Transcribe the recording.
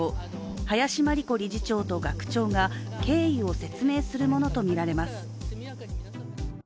林真理子理事長と学長が経緯を説明するものとみられます。